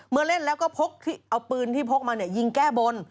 เล่นแล้วก็เอาปืนที่พกมายิงแก้บน